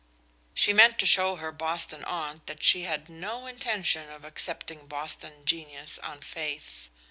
She meant to show her Boston aunt that she had no intention of accepting Boston genius on faith.